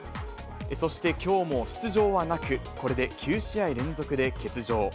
そしてきょうも出場はなく、これで９試合連続で欠場。